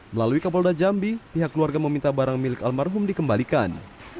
melalui kapolda jambi pihak keluarga meminta barang milik almarhum dikembalikan